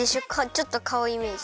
ちょっとかおイメージ。